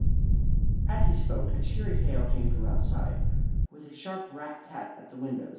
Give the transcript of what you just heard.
As he spoke a cheery hail came from outside, with a sharp rat tat at the window.